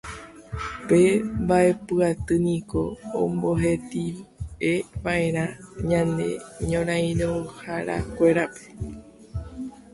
Pe Mba'epu Aty niko omboheti'eva'erã ñane ñorairõharakuérape